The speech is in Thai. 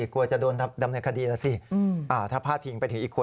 กลัวจะโดนดำเนินคดีนะสิถ้าพาดพิงไปถึงอีกคน